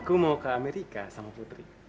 aku mau ke amerika sama putri